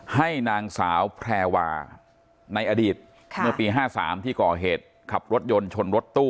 ให้นางสาวแพรวาในอดีตเมื่อปี๕๓ที่ก่อเหตุขับรถยนต์ชนรถตู้